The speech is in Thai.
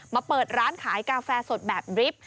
เปิดร้านขายกาแฟสดแบบดริฟท์